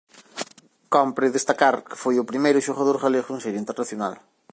Cómpre destacar que foi o primeiro xogador galego en ser internacional.